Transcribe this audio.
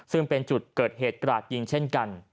ซึ่งเป็นจุดเกิดเหตุกราดยิงเช่นกัน